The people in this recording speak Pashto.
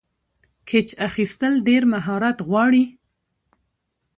کېچ اخیستل ډېر مهارت غواړي.